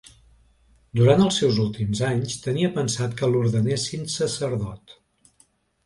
Durant els seus últims anys, tenia pensat que l'ordenessin sacerdot.